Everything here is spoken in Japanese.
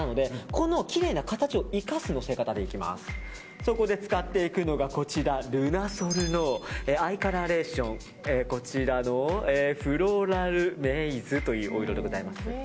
そこで使っていくのがルナソルのアイカラーレーションこちらのフローラルメイズというお色でございます。